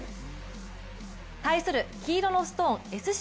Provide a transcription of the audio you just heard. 対する黄色のストーンＳＣ